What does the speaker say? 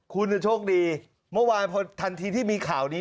คุณโชคดีเมื่อวานพอทันทีที่มีข่าวนี้